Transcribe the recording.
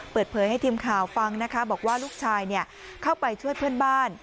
เปิดเผยให้ทีมข่าวฟังนะคะบอกว่าลูกชายเข้าไปช่วยเพื่อนบ้าน